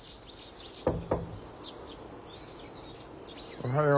おはよう。